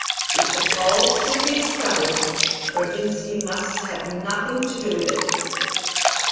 If the pole should be discovered, Rovinski must have nothing to do with it.